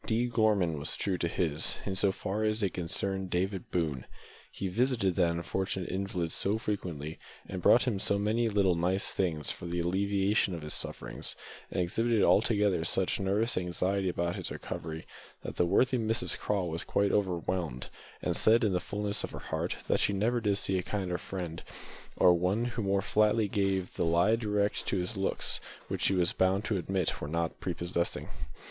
D. Gorman was true to his, in so far as they concerned David Boone. He visited that unfortunate invalid so frequently, and brought him so many little "nice things" for the alleviation of his sufferings, and exhibited altogether such nervous anxiety about his recovery, that worthy Mrs Craw was quite overwhelmed, and said, in the fulness of her heart, that she never did see a kinder friend, or one who more flatly gave the lie direct to his looks, which, she was bound to admit, were not prepossessing.